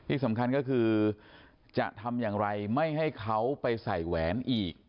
ที่สำคัญก็คือจะทำอย่างไรไม่ให้เขาไปใส่แหวนอีก